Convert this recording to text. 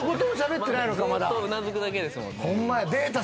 ずっとうなずくだけですもんね。